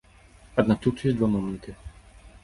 Аднак тут ёсць два моманты.